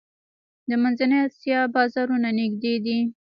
د منځنۍ اسیا بازارونه نږدې دي